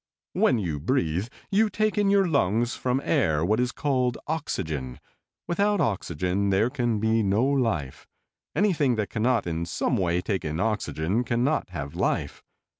"When you breathe, you take in your lungs from air what is called oxygen. Without oxygen there can be no life. Anything that can not in some way take in oxygen can not have life.